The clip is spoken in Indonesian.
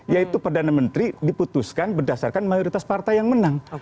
yaitu perdana menteri diputuskan berdasarkan mayoritas partai yang menang